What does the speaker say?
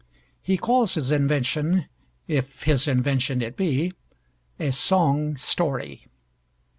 He calls his invention if his invention it be a "song story."